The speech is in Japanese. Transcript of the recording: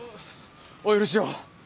お許しを。